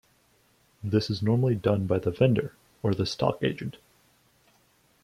This is normally done by the vendor, or the stock agent.